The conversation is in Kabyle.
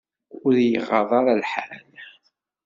Ur y-iɣaḍ ara lḥal.